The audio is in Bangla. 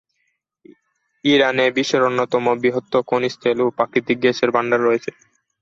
ইরানে বিশ্বের অন্যতম বৃহৎ খনিজ তেল ও প্রাকৃতিক গ্যাসের ভাণ্ডার আছে।